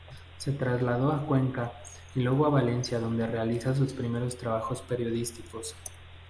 Se trasladó a Cuenca y luego a Valencia donde realiza sus primeros trabajos periodísticos.